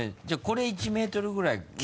じゃあこれ１メートルぐらい。